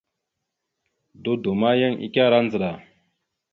Dodo ma, yan ekará ndzəɗa dik.